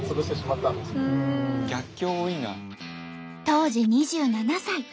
当時２７歳。